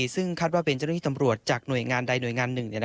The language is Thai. ซึ่งคาดว่าเป็นเจ้าหน้าที่ตำรวจจากหน่วยงานใดหน่วยงานหนึ่ง